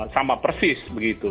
sama persis begitu